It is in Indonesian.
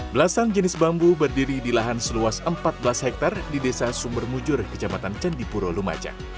belasan jenis bambu berdiri di lahan seluas empat belas hektare di desa sumber mujur kejamatan candipuro lumajang